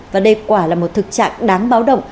và đây quả là một thực trạng đáng báo động